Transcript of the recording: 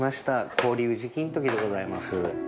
氷宇治金時でございます。